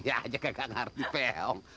ya aja nggak ngerti pehong